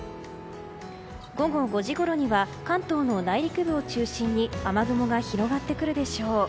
午後５時ごろには関東の内陸部を中心に雨雲が広がってくるでしょう。